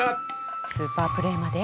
スーパープレーまで。